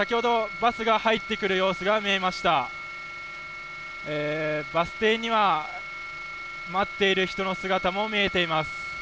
バス停には待っている人の姿も見えています。